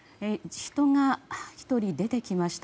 人が１人、出てきました。